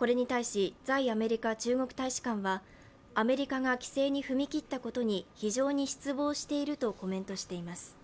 これに対し、在アメリカ中国大使館はアメリカが規制に踏み切ったことに非常に失望しているとコメントしています。